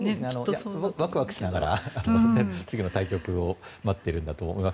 ワクワクしながら次の対局を待っているんだと思います。